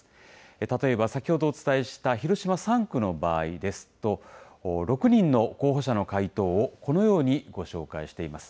例えば先ほどお伝えした広島３区の場合ですと、６人の候補者の回答をこのようにご紹介しています。